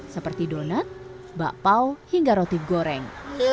seperti donat bakpao hingga roti goreng